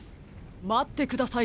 まってください